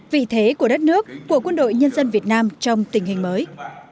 vị thế của đất nước của quân đội nhân dân việt nam trong tình hình mới